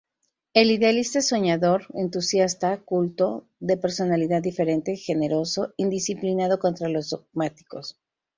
El idealista es soñador, entusiasta, culto, de personalidad diferente, generoso, indisciplinado contra los dogmáticos.